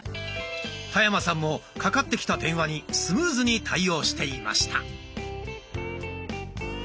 田山さんもかかってきた電話にスムーズに対応していました。